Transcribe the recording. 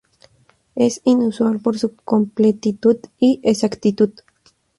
Es inusual por su completitud y exactitud".